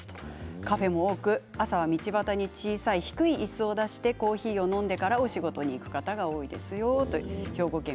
カフェも多く朝は道端に小さい低いいすを出してコーヒーを飲んでからお仕事に行く方が多いということで